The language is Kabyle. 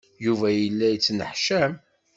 Yuba yella yenneḥcam.